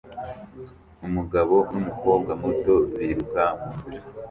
Umugabo n'umukobwa muto biruka munzira